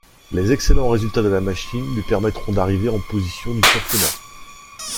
Les excellents résultats de la machine lui permettront d’arriver en position du championnat.